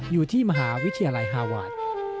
อยู่ที่มหาวิทยาลัยฮาวาส